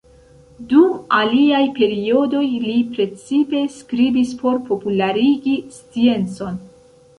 Dum aliaj periodoj li precipe skribis por popularigi sciencon.